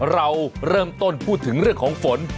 เราเริ่มต้นพูดถึงเรื่องของฝน